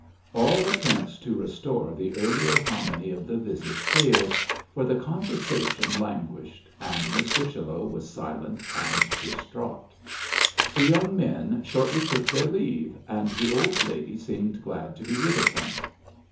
All attempts to restore the earlier harmony of the visit failed, for the conversation languished and Miss Whichello was silent and distraught. The young men shortly took their leave, and the old lady seemed glad to be rid of them.